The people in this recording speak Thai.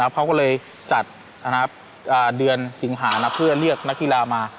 เขาก็เลยจัดเดือนสิงหาเพื่อเรียกนักกีฬามา